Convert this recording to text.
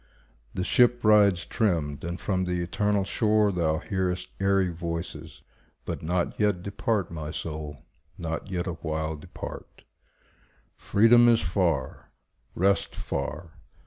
The ship rides trimmed, and from the eternal shore Thou hearest airy voices; but not yet Depart, my soul, not yet awhile depart. Freedom is far, rest far.